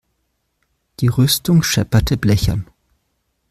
Die Rüstung schepperte blechern.